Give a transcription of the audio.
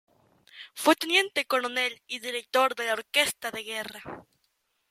Fue teniente coronel y director de la orquesta de guerra.